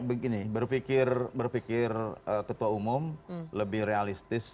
begini berpikir ketua umum lebih realistis